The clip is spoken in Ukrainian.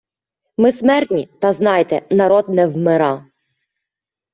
Ми смертні, Та знайте: народ не вмира